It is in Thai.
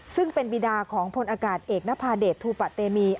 ซึ่งเป็นบีดาของพลอากาศเอกนภาเดชทูปะเตมี